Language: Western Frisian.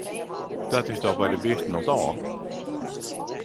Dat is dochs by de bisten om't ôf!